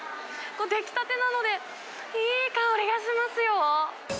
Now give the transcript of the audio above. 出来たてなので、いい香りがしますよ。